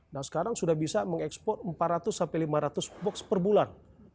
nah sekarang sudah bisa mengekspor empat ratus sampai lima ratus box per bulan